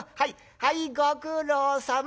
はいご苦労さま。